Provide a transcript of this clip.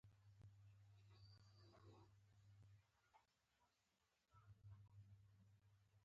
هغوی چې د جګړې اور ته مخه لري.